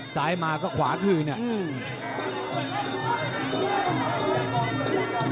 สายมาก็ขวาคืนน่ะ